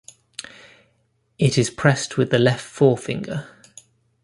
It is pressed with the left forefinger.